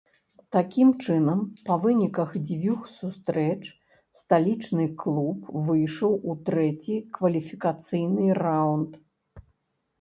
Такім чынам, па выніках дзвюх сустрэч сталічны клуб выйшаў у трэці кваліфікацыйны раўнд.